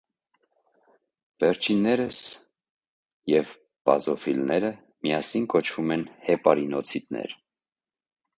Վերջիններս և բազոֆիլները միասին կոչվում են հեպարինոցիտներ։